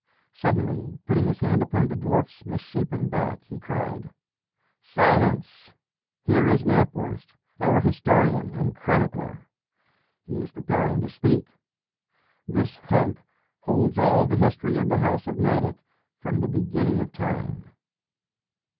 Suddenly putting his hand upon the dwarf's misshapen back, he cried "Silence! Here is Knapwurst, our historian and chronicler! He is preparing to speak. This hump holds all the history of the house of Nideck from the beginning of time!"